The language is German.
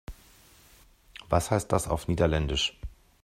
Was heißt das auf Niederländisch?